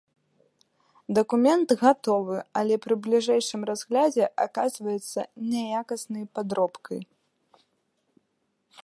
Дакумент гатовы, але пры бліжэйшым разглядзе аказваецца няякаснай падробкай.